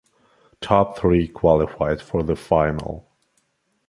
Top three qualified for the final.